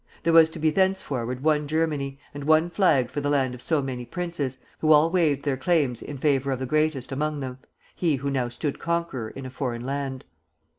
There was to be thenceforward one Germany, and one flag for the land of so many princes, who all waived their claims in favor of the greatest among them, he who now stood conqueror in a foreign land.